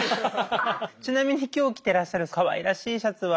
ちなみに今日着てらっしゃるかわいらしいシャツは？